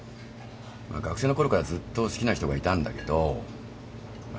学生のころからずっと好きな人がいたんだけどまあ